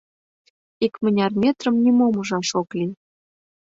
Икмыняр метрым нимом ужаш ок лий.